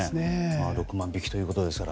６万匹というところですから。